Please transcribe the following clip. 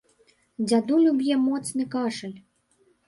Дзядулю б'е моцны кашаль.